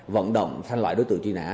vận động thanh loại đối tượng truy nã